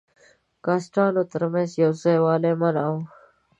کاسټانو تر منځ یو ځای والی منع وو.